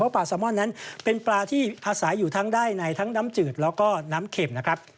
ปลาซามอนนั้นเป็นปลาที่อาศัยอยู่ทั้งได้ในทั้งน้ำจืดแล้วก็น้ำเข็มนะครับ